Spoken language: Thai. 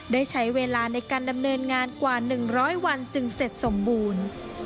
ได้ใช้เวลาในการดำเนินงานกว่า๑๐๐วันจึงเสร็จสมบูรณ์